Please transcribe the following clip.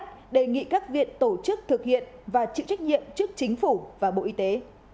thưa quý vị đề nghị các viện tổ chức thực hiện và chịu trách nhiệm trước chính phủ và bộ y tế